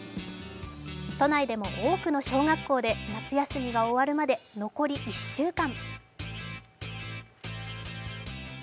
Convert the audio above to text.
都内でも多くの小学校で夏休みが終わるまで残り１週間。